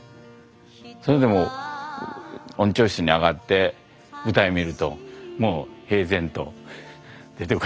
それでも音調室に上がって舞台見るともう平然と出て来られて。